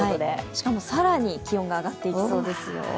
しかも、更に気温が上がっていきそうですよ。